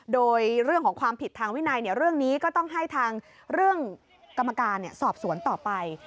โดยเรื่องของความผิดทางวินัยเรื่องนี้ก็ต้องให้ทางเรื่องกรรมการสอบสวนต่อไป